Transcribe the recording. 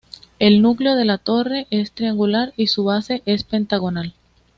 El núcleo de la torre es triangular, y su base es pentagonal.